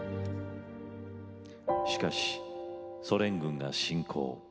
しかしソ連軍が侵攻。